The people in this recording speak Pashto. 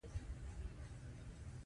ما ته یې اشاره وکړه، اسمعیل یې وپوښتل.